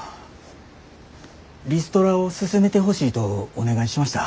リストラを進めてほしいとお願いしました。